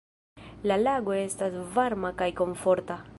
"La lago estas varma kaj komforta."